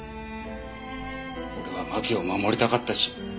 俺は麻紀を守りたかったし！